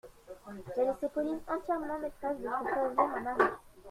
J’ai laissé Pauline entièrement maîtresse de se choisir un mari.